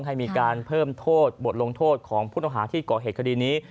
ให้มีการเพิ่มโทษบทลงโทษของผู้ต้องหาที่ก่อเหตุคดีนี้